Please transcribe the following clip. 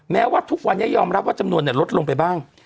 แม้ว่าทุกวันนี้ยอมรับว่าจำนวนลดลงไปบ้าง